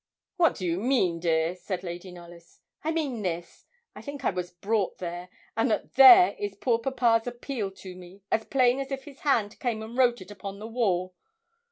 'What do you mean, dear?' said Lady Knollys. 'I mean this I think I was brought there, and that there is poor papa's appeal to me, as plain as if his hand came and wrote it upon the wall.'